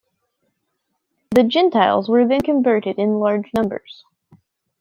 The Gentiles were then converted in large numbers.